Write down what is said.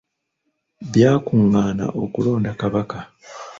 Byakungaana okulonda kabaka.